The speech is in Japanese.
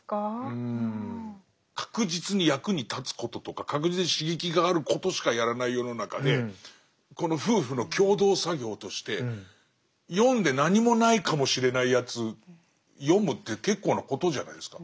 確実に役に立つこととか確実に刺激があることしかやらない世の中でこの夫婦の共同作業として読んで何もないかもしれないやつ読むって結構なことじゃないですか。